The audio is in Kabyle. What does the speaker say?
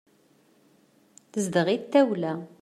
Tezdeɣ-it tawla.